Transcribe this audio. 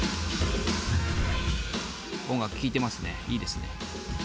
音楽聴いてますねいいですね。